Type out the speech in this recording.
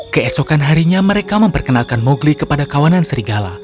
keesokan harinya mereka memperkenalkan mowgli kepada kawanan serigala